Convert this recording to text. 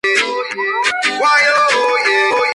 Heredó el título de "Esposa del dios Amón", de su madre.